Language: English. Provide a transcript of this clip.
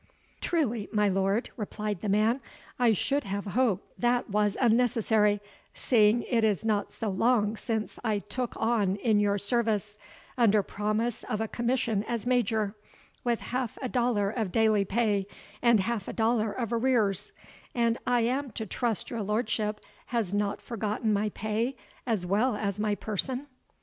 "Truly, my lord," replied the man, "I should have hoped that was unnecessary, seeing it is not so long since I took on in your service, under promise of a commission as Major, with half a dollar of daily pay and half a dollar of arrears; and I am to trust your lordship has nut forgotten my pay as well as my person?"